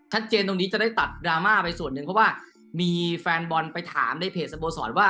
ตรงนี้จะได้ตัดดราม่าไปส่วนหนึ่งเพราะว่ามีแฟนบอลไปถามในเพจสโมสรว่า